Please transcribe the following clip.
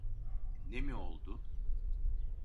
Ne mi oldu?